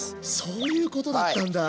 そういうことだったんだ。